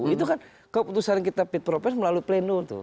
itu kan keputusan kita fit propensi melalui pleno